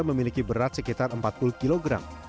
memiliki berat sekitar empat puluh kg